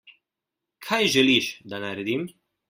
Kaj želiš, da naredim?